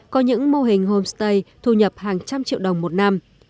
có những mô hình homestay thu nhập hàng trăm triệu đồng một năm